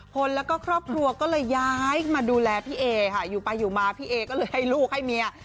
คนแล้วก็ครอบครัวก็เลยย้ายมาดูแลพี่เอค่ะอยู่ไปอยู่มาพี่เอก็เลยให้ลูกให้เมีย